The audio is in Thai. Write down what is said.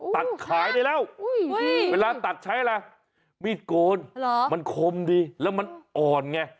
ตัดขายได้แล้วเวลาตัดใช้อะไรมีดโกนมันคมดีแล้วมันอ่อนไง